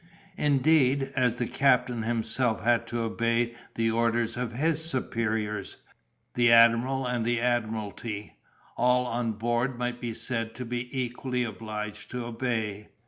Indeed, as the captain himself had to obey the orders of his superiors, the admiral and the admiralty, all on board might be said to be equally obliged to obey.